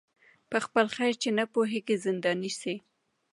په خپل خیر چي نه پوهیږي زنداني سي